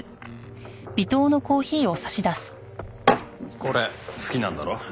これ好きなんだろ？